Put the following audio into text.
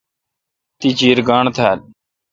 تی چیر گاݨڈ تھال۔